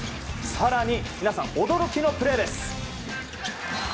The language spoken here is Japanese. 更に皆さん、驚きのプレーです。